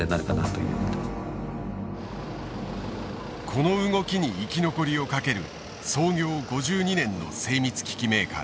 この動きに生き残りをかける創業５２年の精密機器メーカーです。